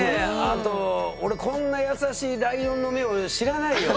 あと俺こんな優しいライオンの目を知らないよ。